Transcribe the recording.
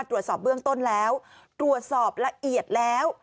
ตรวจสอบเบื้องต้นแล้วตรวจสอบละเอียดแล้ว